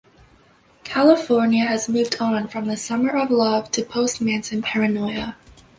California has moved on from the Summer of Love to post-Manson paranoia.